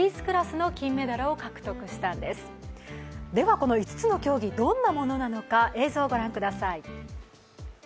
この５つの競技どんなものなのか映像をご覧ください。